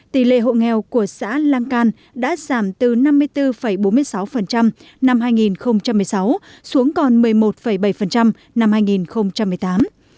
tỷ lệ hộ nghèo của xã lăng can đã giảm từ năm mươi bốn bốn mươi sáu năm hai nghìn một mươi sáu xuống còn một mươi một bảy năm hai nghìn một mươi tám